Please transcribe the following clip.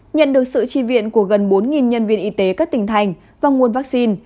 nhận được sự tri viện của gần bốn nhân viên y tế các tỉnh thành và nguồn vaccine